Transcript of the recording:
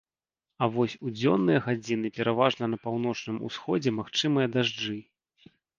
А вось у дзённыя гадзіны пераважна на паўночным усходзе магчымыя дажджы.